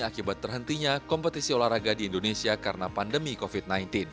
akibat terhentinya kompetisi olahraga di indonesia karena pandemi covid sembilan belas